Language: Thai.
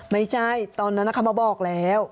ไม่ใช่ตอนนั้นเขามาบอกแล้ว